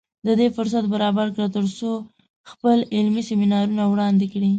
د دې فرصت برابر کړ تر څو خپل علمي سیمینار وړاندې کړي